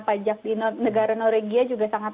pajak di negara norwegia juga sangat